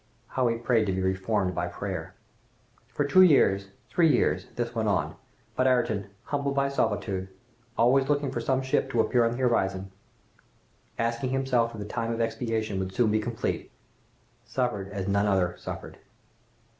How he prayed to be reformed by prayer! For two years, three years, this went on, but Ayrton, humbled by solitude, always looking for some ship to appear on the horizon, asking himself if the time of expiation would soon be complete, suffered as none other suffered!